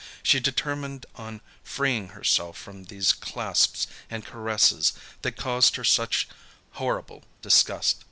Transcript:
She determined on freeing herself from these clasps and caresses that caused her such horrible disgust.